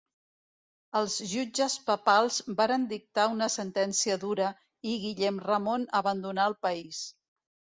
Els jutges papals varen dictar una sentència dura i Guillem Ramon abandonà el país.